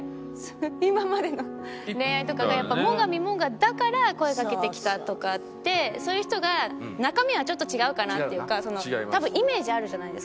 今までの恋愛とかがやっぱ「最上もがだから声かけてきた」とかってそういう人が中身はちょっと違うかなっていうか多分イメージあるじゃないですか。